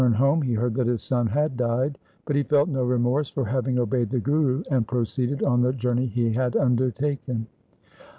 After his return home he heard that his son had died, but he felt no re morse for having obeyed the Guru and proceeded on the journey he had undertaken.